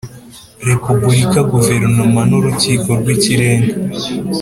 repubulika guverinoma n urukiko rw ikirenga